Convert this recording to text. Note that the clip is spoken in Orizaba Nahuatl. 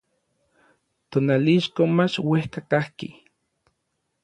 Tonalixco mach uejka kajki.